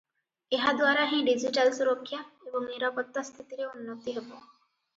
ଏହା ଦ୍ୱାରା ହିଁ ଡିଜିଟାଲ ସୁରକ୍ଷା ଏବଂ ନିରାପତ୍ତା ସ୍ଥିତିରେ ଉନ୍ନତି ହେବ ।